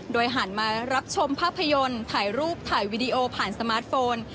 หันมารับชมภาพยนตร์ถ่ายรูปถ่ายวีดีโอผ่านสมาร์ทโฟน